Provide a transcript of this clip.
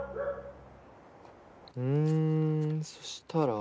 うんそしたら。